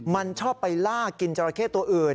มันชอบไปล่ากินจราเข้ตัวอื่น